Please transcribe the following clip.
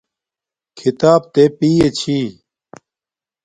کھیتاپ تے پݵے چھی